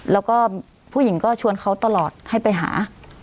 แล้วก็ผู้หญิงก็ชวนเขาตลอดให้ไปหา